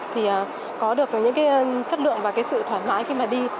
thì có được những cái chất lượng và cái sự thoải mái khi mà đi